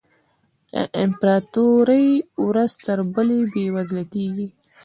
د امپراتوري ورځ تر بلې بېوزله کېږي.